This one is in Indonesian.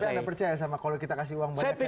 tapi anda percaya sama kalau kita kasih uang banyak